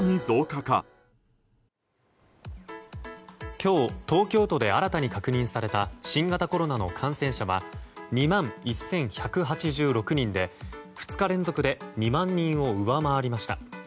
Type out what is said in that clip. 今日、東京都で新たに確認された新型コロナの感染者は２万１１８６人で２日連続で２万人を上回りました。